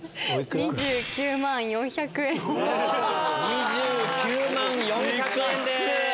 ２９万４００円です。